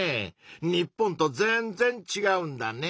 日本とぜんぜん違うんだねぇ。